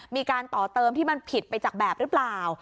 มีการต่อเติมที่มันผิดไปจากแบบหรือเปล่า